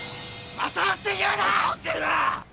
正夫って言うな！